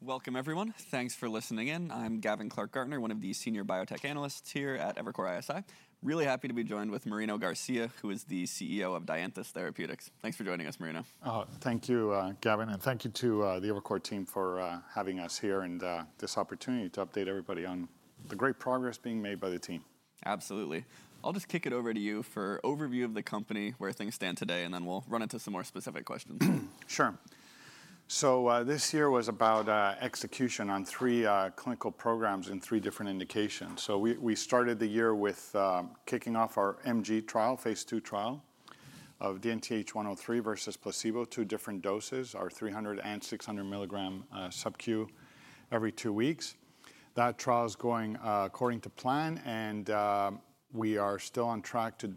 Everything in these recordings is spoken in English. Hey, welcome everyone. Thanks for listening in. I'm Gavin Clark-Gartner, one of the senior biotech analysts here at Evercore ISI. Really happy to be joined with Marino Garcia, who is the CEO of Dianthus Therapeutics. Thanks for joining us, Marino. Thank you, Gavin, and thank you to the Evercore team for having us here and this opportunity to update everybody on the great progress being made by the team. Absolutely. I'll just kick it over to you for an overview of the company, where things stand today, and then we'll run into some more specific questions. Sure. So this year was about execution on three clinical programs in three different indications. So we started the year with kicking off our MG trial, phase II trial of DNTH103 versus placebo, two different doses, our 300 and 600 milligram subcu every two weeks. That trial is going according to plan, and we are still on track to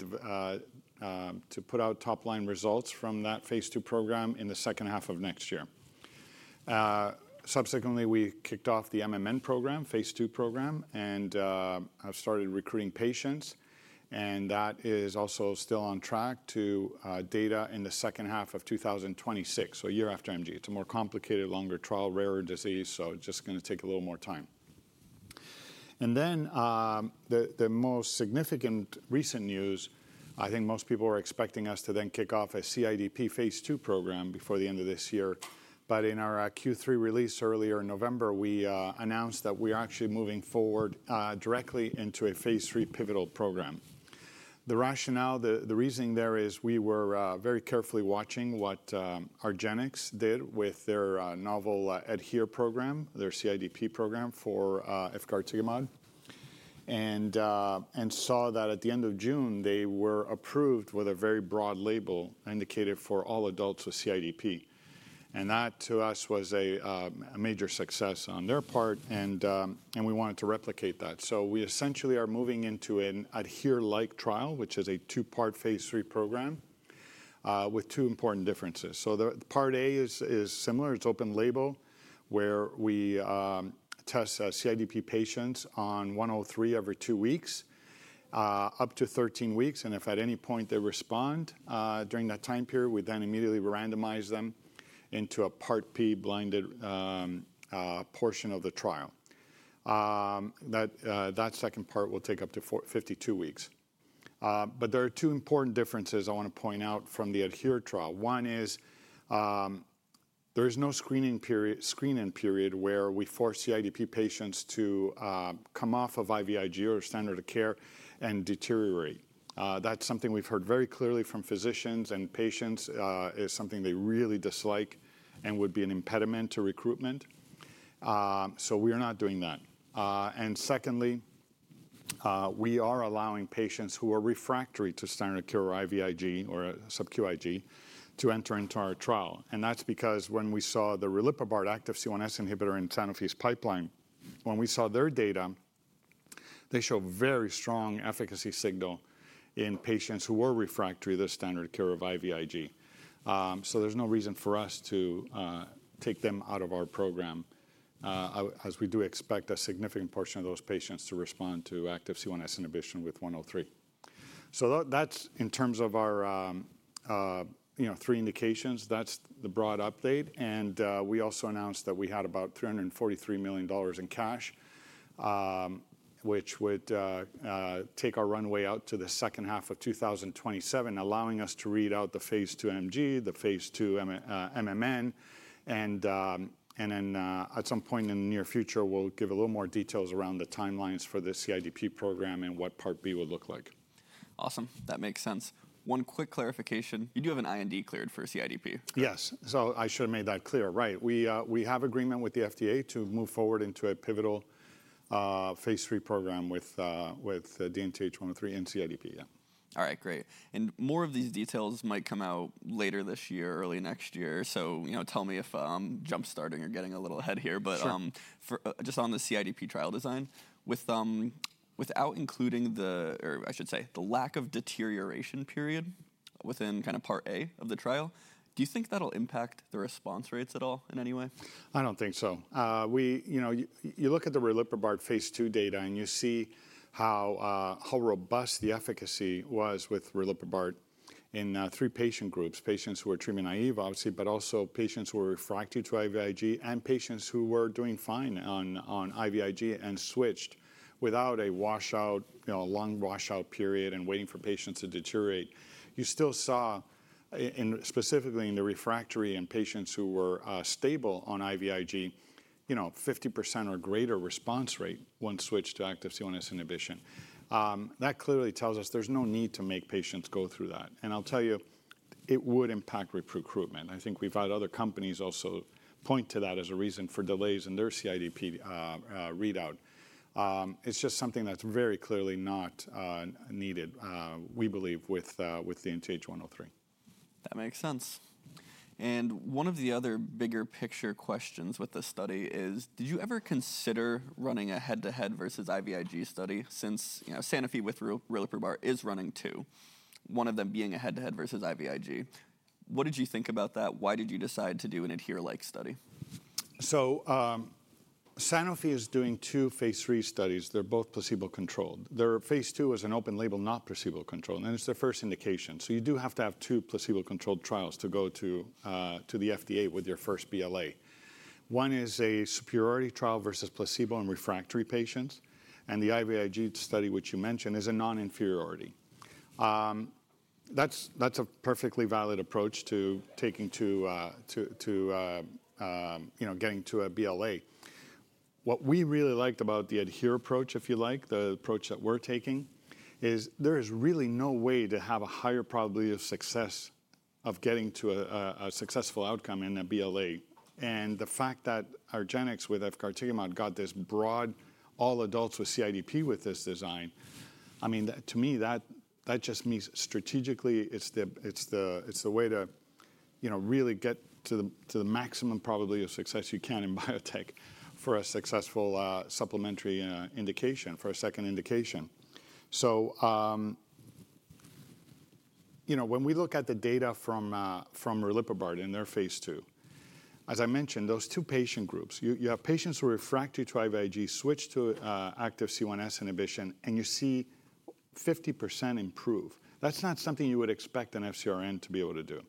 put out top-line results from that phase II program in the second half of next year. Subsequently, we kicked off the MMN program, phase II program, and have started recruiting patients. And that is also still on track to data in the second half of 2026, so a year after MG. It's a more complicated, longer trial, rarer disease, so it's just going to take a little more time. Then the most significant recent news, I think most people were expecting us to then kick off a CIDP phase II program before the end of this year. In our Q3 release earlier in November, we announced that we are actually moving forward directly into a phase III pivotal program. The rationale, the reasoning there is we were very carefully watching what Argenx did with their novel ADHERE program, their CIDP program for efgartigimod, and saw that at the end of June, they were approved with a very broad label indicated for all adults with CIDP. That, to us, was a major success on their part, and we wanted to replicate that. We essentially are moving into an ADHERE-like trial, which is a two-part phase III program with two important differences. Part A is similar. It's open label, where we test CIDP patients on 103 every two weeks, up to 13 weeks, and if at any point they respond during that time period, we then immediately randomize them into a part B blinded portion of the trial. That second part will take up to 52 weeks, but there are two important differences I want to point out from the ADHERE trial. One is there is no screening period where we force CIDP patients to come off of IVIG or standard of care and deteriorate. That's something we've heard very clearly from physicians and patients, is something they really dislike and would be an impediment to recruitment, so we are not doing that, and secondly, we are allowing patients who are refractory to standard of care or IVIG or subcu IG to enter into our trial. That's because when we saw the riliprubart active C1s inhibitor in Sanofi's pipeline, when we saw their data, they showed very strong efficacy signal in patients who were refractory to standard of care of IVIG. So there's no reason for us to take them out of our program, as we do expect a significant portion of those patients to respond to active C1s inhibition with 103. That's in terms of our three indications. That's the broad update. We also announced that we had about $343 million in cash, which would take our runway out to the second half of 2027, allowing us to read out the phase II MG, the phase II MMN. Then at some point in the near future, we'll give a little more details around the timelines for the CIDP program and what part B would look like. Awesome. That makes sense. One quick clarification. You do have an IND cleared for CIDP. Yes. So I should have made that clear, right? We have agreement with the FDA to move forward into a pivotal phase III program with DNTH103 and CIDP. Yeah. All right, great. And more of these details might come out later this year, early next year. So tell me if I'm jumpstarting or getting a little ahead here. But just on the CIDP trial design, without including the, or I should say, the lack of deterioration period within kind of part A of the trial, do you think that'll impact the response rates at all in any way? I don't think so. You look at the riliprubart phase II data and you see how robust the efficacy was with riliprubart in three patient groups: patients who were treatment naive, obviously, but also patients who were refractory to IVIG and patients who were doing fine on IVIG and switched without a washout, long washout period and waiting for patients to deteriorate. You still saw, specifically in the refractory and patients who were stable on IVIG, 50% or greater response rate when switched to active C1s inhibition. That clearly tells us there's no need to make patients go through that. And I'll tell you, it would impact recruitment. I think we've had other companies also point to that as a reason for delays in their CIDP readout. It's just something that's very clearly not needed, we believe, with DNTH103. That makes sense, and one of the other bigger picture questions with this study is, did you ever consider running a head-to-head versus IVIG study since Sanofi with riliprubart is running two, one of them being a head-to-head versus IVIG? What did you think about that? Why did you decide to do an ADHERE-like study? So Sanofi is doing two phase III studies. They're both placebo-controlled. Their phase II is an open label, not placebo-controlled. And it's their first indication. So you do have to have two placebo-controlled trials to go to the FDA with your first BLA. One is a superiority trial versus placebo and refractory patients. And the IVIG study, which you mentioned, is a non-inferiority. That's a perfectly valid approach to getting to a BLA. What we really liked about the ADHERE approach, if you like, the approach that we're taking, is there is really no way to have a higher probability of success of getting to a successful outcome in a BLA. And the fact that Argenx with efgartigimod got this broad, all adults with CIDP with this design, I mean, to me, that just means strategically it's the way to really get to the maximum probability of success you can in biotech for a successful supplementary indication, for a second indication. So when we look at the data from riliprubart in their phase II, as I mentioned, those two patient groups, you have patients who are refractory to IVIG, switched to active C1s inhibition, and you see 50% improve. That's not something you would expect an FcRn to be able to do.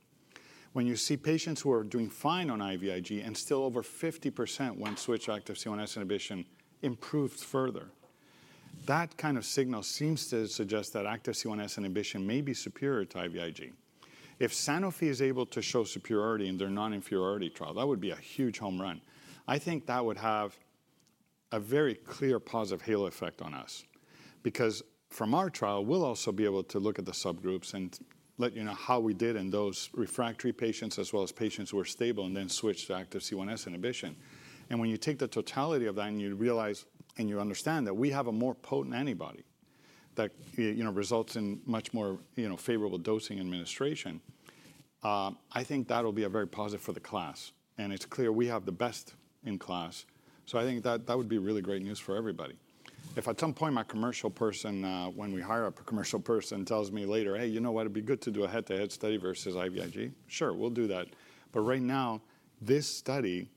When you see patients who are doing fine on IVIG and still over 50% when switched to active C1s inhibition improved further, that kind of signal seems to suggest that active C1s inhibition may be superior to IVIG. If Sanofi is able to show superiority in their non-inferiority trial, that would be a huge home run. I think that would have a very clear positive halo effect on us because from our trial, we'll also be able to look at the subgroups and let you know how we did in those refractory patients as well as patients who are stable and then switched to active C1s inhibition. And when you take the totality of that and you realize and you understand that we have a more potent antibody that results in much more favorable dosing administration, I think that'll be very positive for the class. And it's clear we have the best in class. So I think that would be really great news for everybody. If at some point my commercial person, when we hire a commercial person, tells me later, "Hey, you know what? It'd be good to do a head-to-head study versus IVIG." Sure, we'll do that. But right now, this study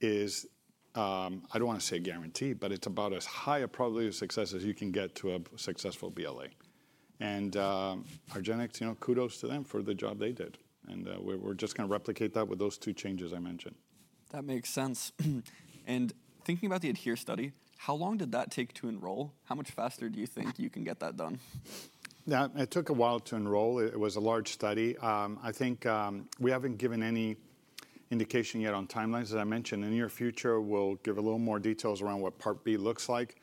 is, I don't want to say guaranteed, but it's about as high a probability of success as you can get to a successful BLA. And Argenx, kudos to them for the job they did. And we're just going to replicate that with those two changes I mentioned. That makes sense. And thinking about the ADHERE study, how long did that take to enroll? How much faster do you think you can get that done? It took a while to enroll. It was a large study. I think we haven't given any indication yet on timelines. As I mentioned, in the near future, we'll give a little more details around what part B looks like.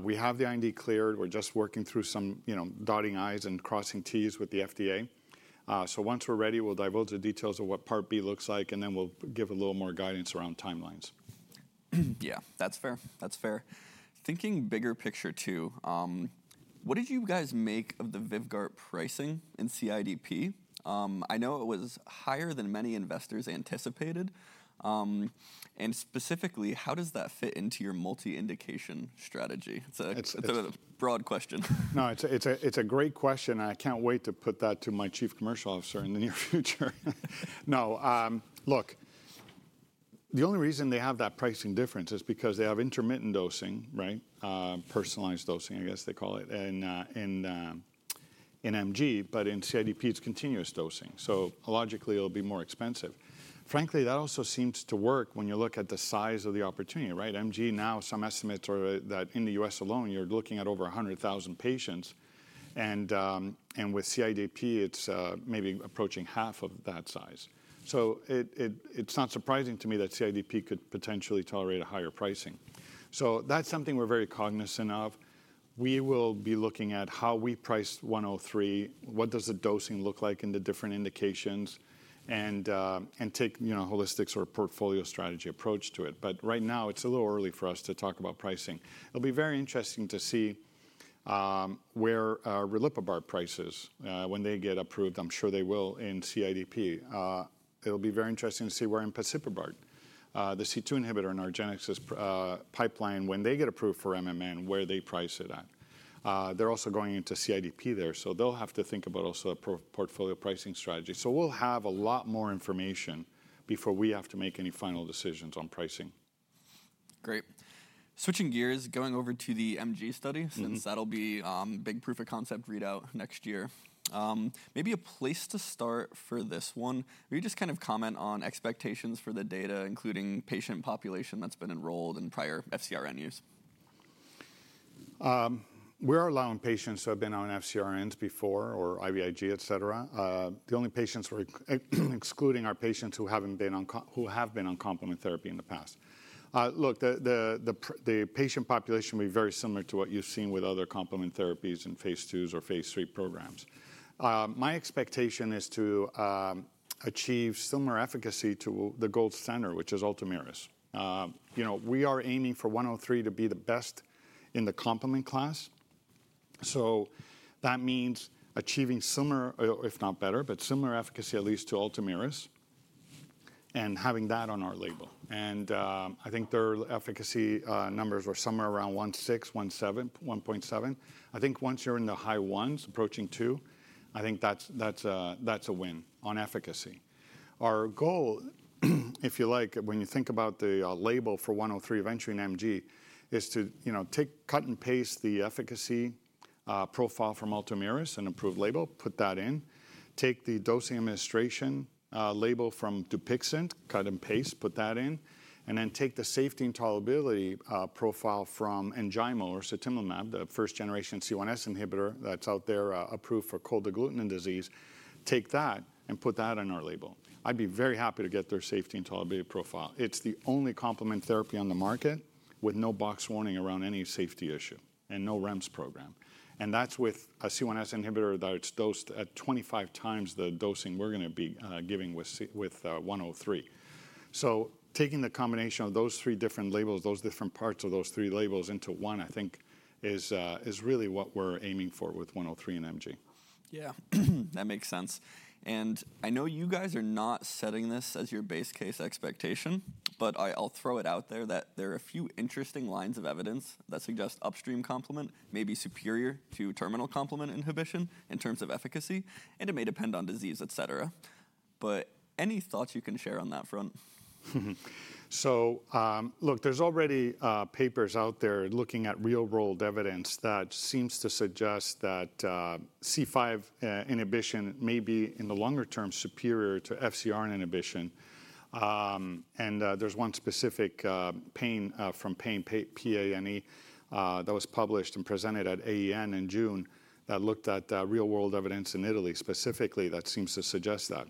We have the IND cleared. We're just working through some dotting i's and crossing t's with the FDA. So once we're ready, we'll divulge the details of what part B looks like, and then we'll give a little more guidance around timelines. Yeah, that's fair. That's fair. Thinking bigger picture too, what did you guys make of the Vyvgart pricing in CIDP? I know it was higher than many investors anticipated. And specifically, how does that fit into your multi-indication strategy? It's a broad question. No, it's a great question. I can't wait to put that to my chief commercial officer in the near future. No, look, the only reason they have that pricing difference is because they have intermittent dosing, right? Personalized dosing, I guess they call it, in MG. But in CIDP, it's continuous dosing. So logically, it'll be more expensive. Frankly, that also seems to work when you look at the size of the opportunity, right? MG now, some estimates are that in the U.S. alone, you're looking at over 100,000 patients. And with CIDP, it's maybe approaching half of that size. So it's not surprising to me that CIDP could potentially tolerate a higher pricing. So that's something we're very cognizant of. We will be looking at how we price 103, what does the dosing look like in the different indications, and take a holistic sort of portfolio strategy approach to it. But right now, it's a little early for us to talk about pricing. It'll be very interesting to see where riliprubart prices when they get approved. I'm sure they will in CIDP. It'll be very interesting to see where empasiprubart, the C2 inhibitor in Argenx's pipeline, prices when they get approved for MMN. They're also going into CIDP there. So they'll have to think about also a portfolio pricing strategy. So we'll have a lot more information before we have to make any final decisions on pricing. Great. Switching gears, going over to the MG study since that'll be a big proof of concept readout next year. Maybe a place to start for this one, maybe just kind of comment on expectations for the data, including patient population that's been enrolled in prior FcRn use. We are allowing patients who have been on FcRNs before or IVIG, et cetera. The only patients we're excluding are patients who have been on complement therapy in the past. Look, the patient population will be very similar to what you've seen with other complement therapies in phase IIs or phase III programs. My expectation is to achieve similar efficacy to the gold standard, which is Ultomiris. We are aiming for 103 to be the best in the complement class. So that means achieving similar, if not better, but similar efficacy at least to Ultomiris and having that on our label. And I think their efficacy numbers were somewhere around 1.6, 1.7. I think once you're in the high ones, approaching two, I think that's a win on efficacy. Our goal, if you like, when you think about the label for 103 eventually in MG, is to cut and paste the efficacy profile from Ultomiris and improve label, put that in, take the dosing administration label from Dupixent, cut and paste, put that in, and then take the safety and tolerability profile from Enjaymo or sutimlimab, the first generation C1s inhibitor that's out there approved for cold agglutinin disease, take that and put that on our label. I'd be very happy to get their safety and tolerability profile. It's the only complement therapy on the market with no box warning around any safety issue and no REMS program. And that's with a C1s inhibitor that's dosed at 25 times the dosing we're going to be giving with 103. Taking the combination of those three different labels, those different parts of those three labels into one, I think is really what we're aiming for with 103 and MG. Yeah, that makes sense. And I know you guys are not setting this as your base case expectation, but I'll throw it out there that there are a few interesting lines of evidence that suggest upstream complement may be superior to terminal complement inhibition in terms of efficacy. And it may depend on disease, et cetera. But any thoughts you can share on that front? Look, there's already papers out there looking at real-world evidence that seems to suggest that C5 inhibition may be in the longer term superior to FcRn inhibition. There's one specific PANE, the PANE that was published and presented at AAN in June that looked at real-world evidence in Italy specifically that seems to suggest that.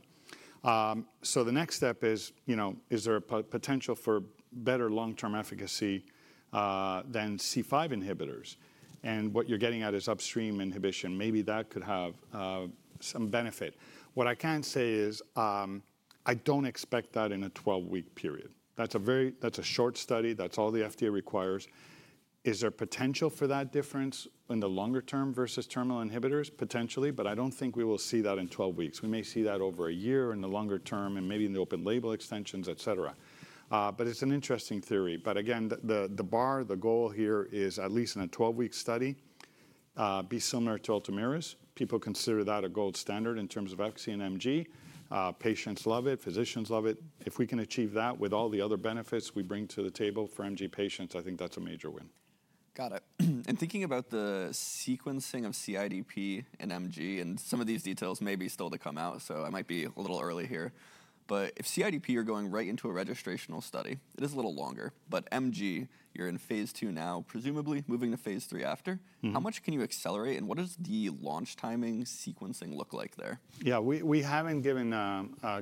The next step is, is there a potential for better long-term efficacy than C5 inhibitors? What you're getting at is upstream inhibition. Maybe that could have some benefit. What I can say is I don't expect that in a 12-week period. That's a short study. That's all the FDA requires. Is there potential for that difference in the longer term versus terminal inhibitors? Potentially, but I don't think we will see that in 12 weeks. We may see that over a year in the longer term and maybe in the open label extensions, et cetera. But it's an interesting theory. But again, the bar, the goal here is at least in a 12-week study be similar to Ultomiris. People consider that a gold standard in terms of efficacy in MG. Patients love it. Physicians love it. If we can achieve that with all the other benefits we bring to the table for MG patients, I think that's a major win. Got it. And thinking about the sequencing of CIDP and MG, and some of these details may be still to come out, so I might be a little early here. But if CIDP you're going right into a registrational study, it is a little longer. But MG, you're in phase II now, presumably moving to phase III after. How much can you accelerate? And what does the launch timing sequencing look like there? Yeah, we haven't given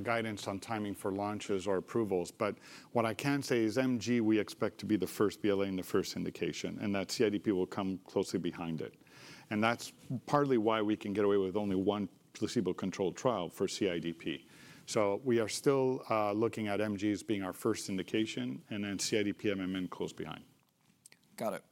guidance on timing for launches or approvals. But what I can say is MG, we expect to be the first BLA and the first indication. And that CIDP will come closely behind it. And that's partly why we can get away with only one placebo-controlled trial for CIDP. So we are still looking at MGs being our first indication, and then CIDP MMN close behind. Got it.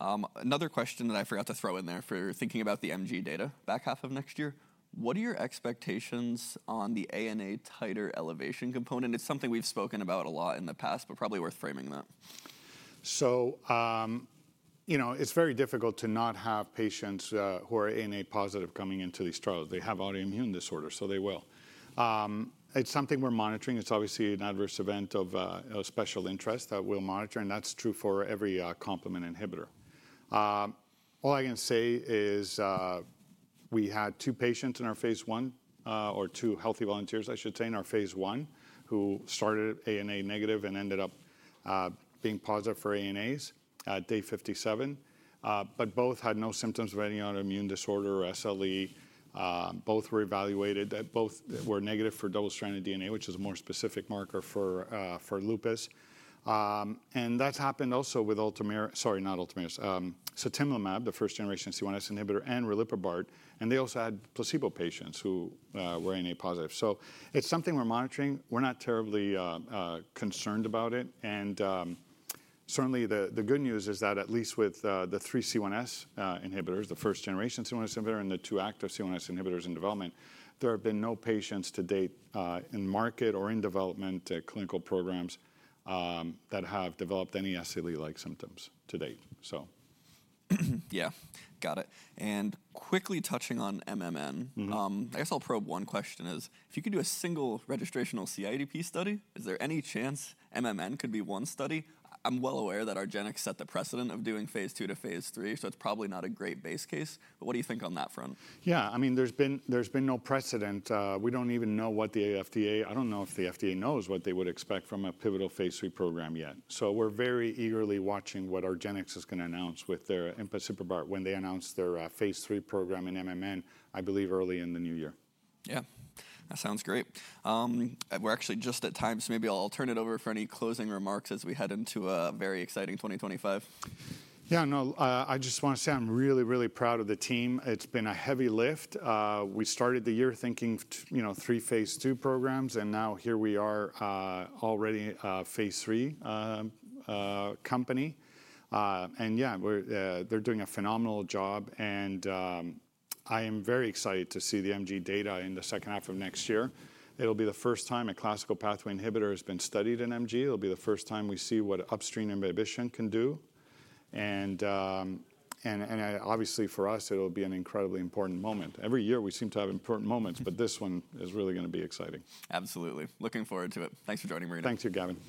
Another question that I forgot to throw in there for thinking about the MG data back half of next year. What are your expectations on the ANA titer elevation component? It's something we've spoken about a lot in the past, but probably worth framing that. It's very difficult to not have patients who are ANA positive coming into these trials. They have autoimmune disorders, so they will. It's something we're monitoring. It's obviously an adverse event of special interest that we'll monitor. And that's true for every complement inhibitor. All I can say is we had two patients in our phase I or II healthy volunteers, I should say, in our phase I who started ANA negative and ended up being positive for ANAs at day 57. But both had no symptoms of any autoimmune disorder or SLE. Both were evaluated. Both were negative for double-stranded DNA, which is a more specific marker for lupus. And that's happened also with Ultomiris, sorry, not Ultomiris, sutimlimab, the first generation C1s inhibitor, and riliprubart. And they also had placebo patients who were ANA positive. So it's something we're monitoring. We're not terribly concerned about it. Certainly, the good news is that at least with the three C1s inhibitors, the first generation C1s inhibitor and the two active C1s inhibitors in development, there have been no patients to date in market or in development clinical programs that have developed any SLE-like symptoms to date, so. Yeah, got it and quickly touching on MMN, I guess I'll probe one question is if you could do a single registrational CIDP study, is there any chance MMN could be one study? I'm well aware that Argenx set the precedent of doing phase II to phase III, so it's probably not a great base case but what do you think on that front? Yeah, I mean, there's been no precedent. We don't even know what the FDA, I don't know if the FDA knows what they would expect from a pivotal phase III program yet. So we're very eagerly watching what Argenx is going to announce with their empasiprubart when they announce their phase III program in MMN, I believe early in the new year. Yeah, that sounds great. We're actually just at time, so maybe I'll turn it over for any closing remarks as we head into a very exciting 2025. Yeah, no, I just want to say I'm really, really proud of the team. It's been a heavy lift. We started the year thinking three phase II programs, and now here we are already phase III company. And yeah, they're doing a phenomenal job. And I am very excited to see the MG data in the second half of next year. It'll be the first time a classical pathway inhibitor has been studied in MG. It'll be the first time we see what upstream inhibition can do. And obviously, for us, it'll be an incredibly important moment. Every year we seem to have important moments, but this one is really going to be exciting. Absolutely. Looking forward to it. Thanks for joining me, Marino. Thank you, Gavin.